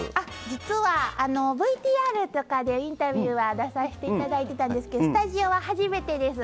実はＶＴＲとかでインタビューは出させていただいてたんですけどスタジオは初めてです。